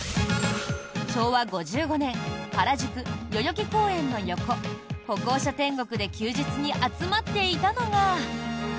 昭和５５年原宿・代々木公園の横歩行者天国で休日に集まっていたのが。